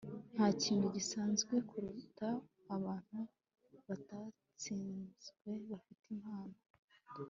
ntakintu gisanzwe kuruta abantu batatsinzwe bafite impano